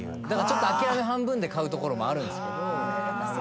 だからちょっと諦め半分で買うところもあるんですけど。